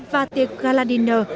và tiệc gala dinner